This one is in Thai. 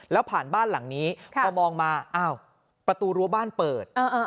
แล้วผ่านบ้านหลังนี้พอมองมาอ้าวประตูรั้วบ้านเปิด